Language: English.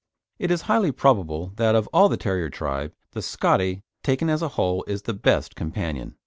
It is highly probable that of all the terrier tribe, the "Scottie," taken as a whole, is the best companion.